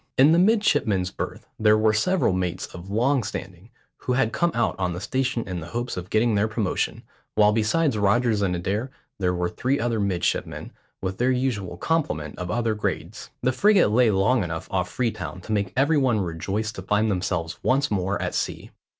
In the midshipmen's berth there were several mates of long standing, who had come out on the station in the hopes of getting their promotion, while besides Rogers and Adair there were three other midshipmen, with their usual complement of other grades. The frigate lay long enough off Freetown to make every one rejoice to find themselves once more at sea.